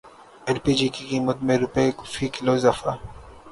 L P G کی قیمت میں روپے فی کلو اضافہ